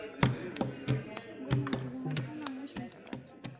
Ngoma iki vuma sana mwisho ita pasuka